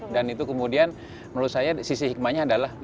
dan itu kemudian menurut saya sisi hikmahnya adalah